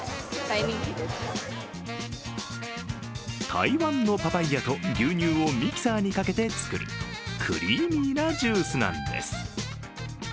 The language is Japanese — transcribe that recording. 台湾のパパイヤと牛乳をミキサーにかけて作るクリーミーなジュースなんです。